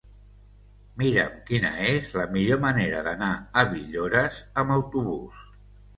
Mira'm quina és la millor manera d'anar a Villores amb autobús.